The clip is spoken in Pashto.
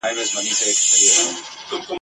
د هغه قوم په نصیب خرسالاري وي ..